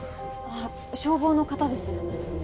あっ消防の方です